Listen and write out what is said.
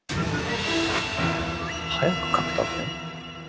速く書くため？